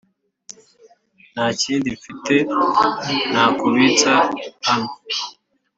Ntakindi mfite nakubitsa hano